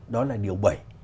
đó là điều bảy